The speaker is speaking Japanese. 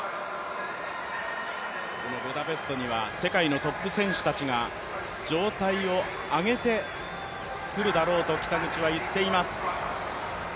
このブダペストには世界のトップ選手たちが状態を上げてくるだろうと北口は言っています。